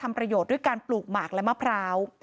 ประโยชน์ด้วยการปลูกหมากและมะพร้าว